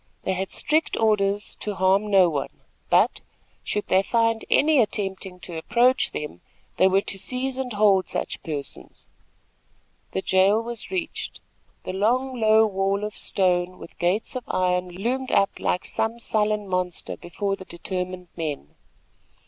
They had strict orders to harm no one; but, should they find any attempting to approach them, they were to seize and hold such persons. The jail was reached. The long, low wall of stone, with gates of iron, loomed up like some sullen monster before the determined men. Mr.